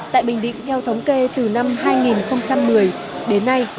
tại bình định theo thống kê từ năm hai nghìn một mươi đến nay